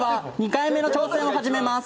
２回目の挑戦を始めます。